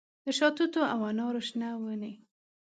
د شاتوتو او انارو شنه وي